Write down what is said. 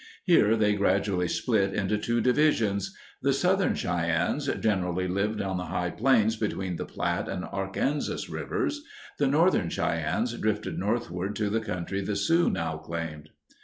Here they gradually split into two divisions. The Southern Cheyennes gen erally lived on the High Plains between the Platte and Arkansas Rivers. The Northern Cheyennes drifted northward to the country the Sioux now claimed.